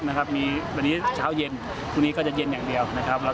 วันนี้เช้าเย็นวันนี้จะเย็นอย่างเดียว